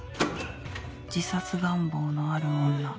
自殺願望のある女